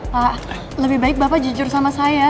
pak lebih baik bapak jujur sama saya